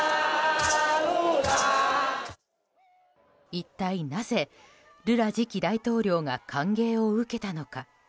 一体なぜ、ルラ次期大統領が歓迎を受けたのか。